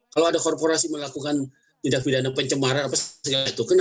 kalau ada korporasi melakukan pidana pencemaran dan segala itu